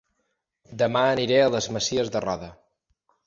Dema aniré a Les Masies de Roda